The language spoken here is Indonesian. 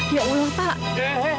ya allah setelah ini